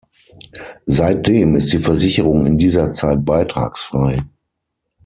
Seitdem ist die Versicherung in dieser Zeit beitragsfrei.